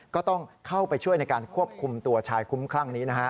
ก็ต้องเข้าไปช่วยในการควบคุมตัวชายคุ้มคลั่งนี้นะฮะ